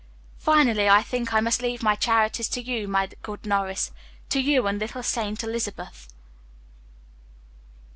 Finally, I think I must leave my charities to you, my good Norris to you and Little Saint Elizabeth."